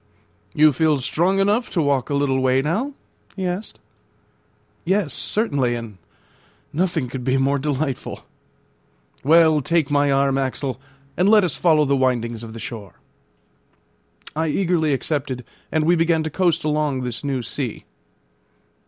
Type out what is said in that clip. "You feel strong enough to walk a little way now?" he asked. "Yes, certainly; and nothing could be more delightful." "Well, take my arm, Axel, and let us follow the windings of the shore." I eagerly accepted, and we began to coast along this new sea.